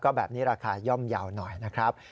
ก็แบบนี้ราคาย่อมเยาว์หน่อยนะครับ